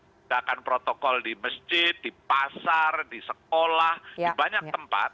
menggunakan protokol di masjid di pasar di sekolah di banyak tempat